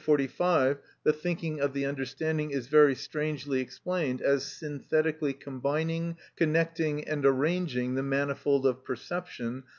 145, the thinking of the understanding is very strangely explained as synthetically combining, connecting, and arranging the manifold of perception.